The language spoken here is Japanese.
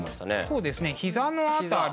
そうですね膝の辺り。